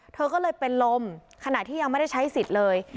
เธอก็เลยเป็นลมขณะที่ยังไม่ได้ใช้สิทธิ์เลย